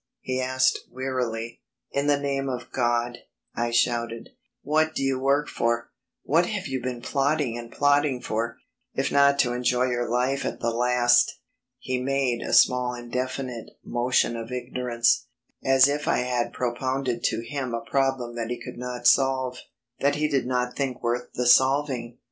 he asked wearily. "In the name of God," I shouted, "what do you work for what have you been plotting and plotting for, if not to enjoy your life at the last?" He made a small indefinite motion of ignorance, as if I had propounded to him a problem that he could not solve, that he did not think worth the solving.